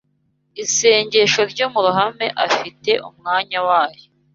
isengesho ryo mu ruhame afite umwanya wayo